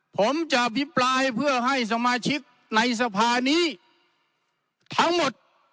ผมจะอภิปรายเพื่อให้สมาชิกในสภานี้ทั้งหมด